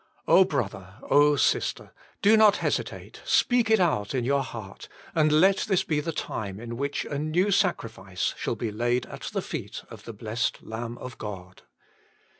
Oh, brother I oh, sister I do not hesitate. Speak it out in your heart, and let this be the time in which a new sacrifice shall be laid at the feet of the blessed Lamb of God.